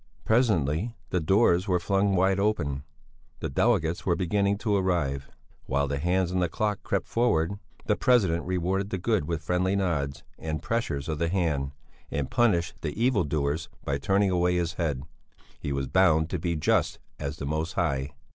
Presently the doors were flung wide open; the delegates were beginning to arrive, while the hands on the clock crept forward forward. The president rewarded the good with friendly nods and pressures of the hand, and punished the evil doers by turning away his head; he was bound to be just as the Most High.